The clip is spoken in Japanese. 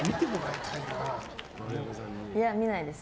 いや、見ないです。